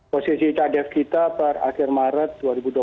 posisi cadangan devisa kita pada akhir maret dua ribu dua puluh satu